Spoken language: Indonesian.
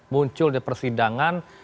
muncul di persidangan